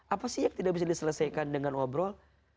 apa sih yang tidak bisa diselesaikan dengan ngobrol